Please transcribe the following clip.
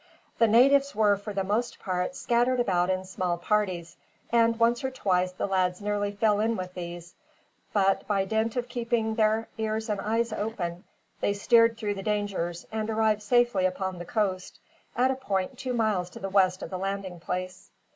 The natives were, for the most part, scattered about in small parties, and once or twice the lads nearly fell in with these; but by dint of keeping their ears and eyes open they steered through the dangers, and arrived safely upon the coast, at a point two miles to the west of the landing place.